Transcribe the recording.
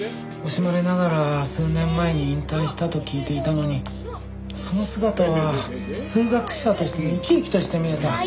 惜しまれながら数年前に引退したと聞いていたのにその姿は数学者としても生き生きとして見えた。